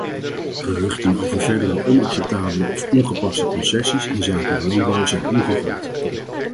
Geruchten over verdere onacceptabele of ongepaste concessies inzake de landbouw zijn ongegrond.